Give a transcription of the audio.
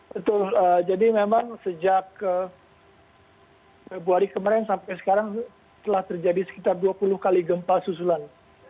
betul jadi memang sejak februari kemarin sampai sekarang telah terjadi sekitar dua puluh kali gempa susulan